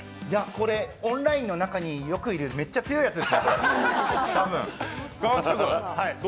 これ、オンラインの中によくいるめっちゃ強いやつです。